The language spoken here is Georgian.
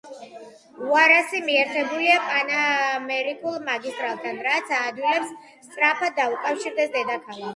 უარასი მიერთებულია პანამერიკულ მაგისტრალთან, რაც აადვილებს სწრაფად დაუკავშირდეს დედაქალაქს.